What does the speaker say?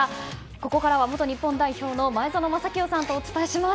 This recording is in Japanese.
ここからは元日本代表の前園真聖さんとお伝えします。